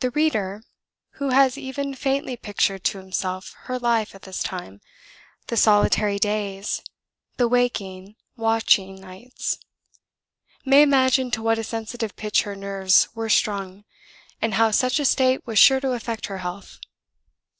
The reader, who has even faintly pictured to himself her life at this time, the solitary days, the waking, watching nights, may imagine to what a sensitive pitch her nerves were strung, and how such a state was sure to affect her health.